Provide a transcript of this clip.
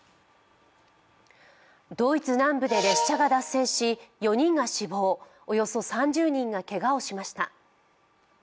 ドイツ南部で列車が脱線し４人が死亡、およそ３０人がけがをしました。